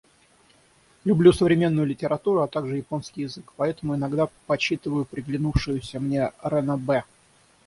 Люблю современную литературу, а также японский язык, поэтому иногда почитываю приглянувшиеся мне ранобэ.